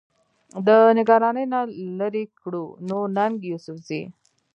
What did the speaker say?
د نګرانۍ نه لرې کړو، نو ننګ يوسفزۍ